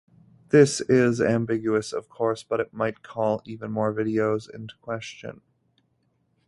This is ambiguous of course, but it might call even more videos into question.